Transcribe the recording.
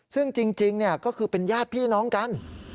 ซึ่งจริงก็คือเป็นญาติพี่น้องกัน